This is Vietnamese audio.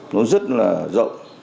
nó rất là rộng